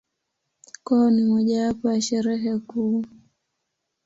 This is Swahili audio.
Kwao ni mojawapo ya Sherehe kuu.